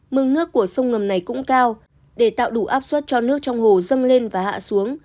mương nước của sông ngầm này cũng cao để tạo đủ áp suất cho nước trong hồ dâng lên và hạ xuống